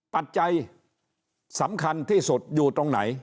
ปัจจัยสำคัญที่สุดอยู่ตรงไหน